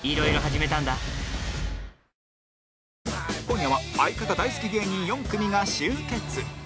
今夜は相方大好き芸人４組が集結